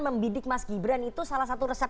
membidik mas gibran itu salah satu resep